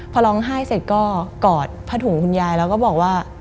พอร้องไห้เสร็จก็กอดผ้าถุงคุณยายแล้วก็บอกว่า